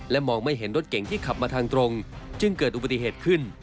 มองไม่เห็นรถเก่งที่ขับมาทางตรงจึงเกิดอุบัติเหตุขึ้น